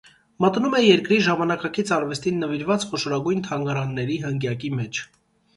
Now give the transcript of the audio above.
Մտնում է երկրի՝ ժամանակակից արվեստին նվիրված խոշորագույն թանգարանների հնգյակի մեջ։